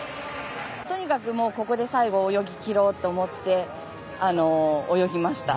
とにかくここで最後泳ぎきろうと思って泳ぎました。